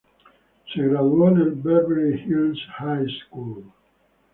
Se graduó en la Beverly Hills High School.